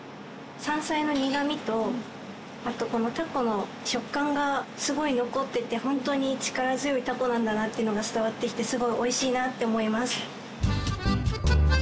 山菜の苦みとあとこのタコの食感がすごい残ってて本当に力強いタコなんだなっていうのが伝わってきてすごいおいしいなって思います。